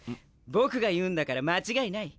僕が言うんだから間違いない。